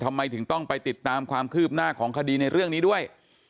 ทำไมถึงต้องไปติดตามความคืบหน้าของคดีในเรื่องนี้ด้วย